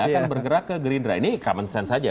akan bergerak ke gerindra ini common sense saja